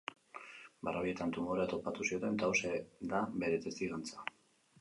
Barrabiletan tumorea topatu zioten eta hauxe da bere testigantza.